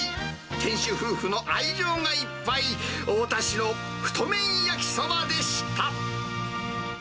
店主夫婦の愛情がいっぱい、太田市の太麺焼きそばでした。